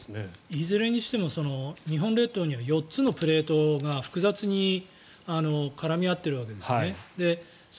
いずれにしても日本列島には４つのプレートが複雑に絡み合っているわけですね。